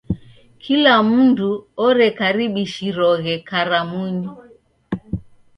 Kila mndu orekaribishiroghe karamunyi.